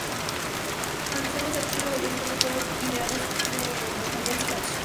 Los sistemas de archivo de disco no fueron ideados para memorias flash.